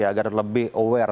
agar lebih aware